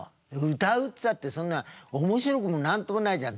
「歌うっつったってそんな面白くも何ともないじゃん」。